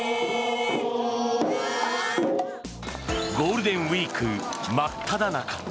ゴールデンウィーク真っただ中。